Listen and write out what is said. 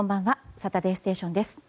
「サタデーステーション」です。